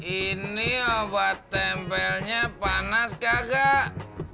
ini obat tempelnya panas kagak